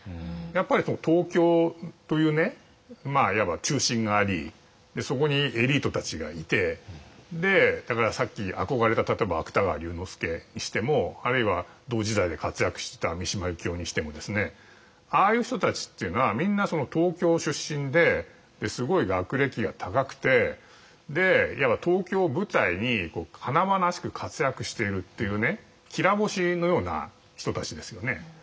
やっぱり東京というねいわば中心がありそこにエリートたちがいてでだからさっき憧れた例えば芥川龍之介にしてもあるいは同時代で活躍した三島由紀夫にしてもですねああいう人たちっていうのはみんな東京出身ですごい学歴が高くていわば東京を舞台に華々しく活躍しているっていうねきら星のような人たちですよね。